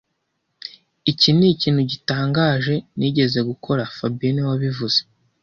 Iki nikintu gitangaje nigeze gukora fabien niwe wabivuze